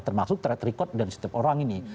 termasuk tretrikot dan setiap orang ini